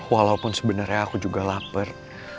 walaupun sebenarnya aku juga lapar